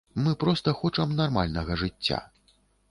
Мы проста хочам нармальнага жыцця.